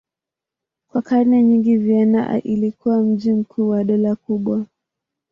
Kwa karne nyingi Vienna ilikuwa mji mkuu wa dola kubwa.